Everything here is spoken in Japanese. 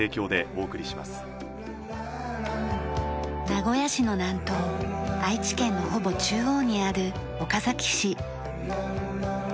名古屋市の南東愛知県のほぼ中央にある岡崎市。